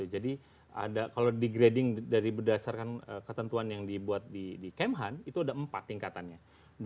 jadi ada kalau degrading dari berdasarkan ketentuan yang dibuat di kemhan itu ada empat tingkatannya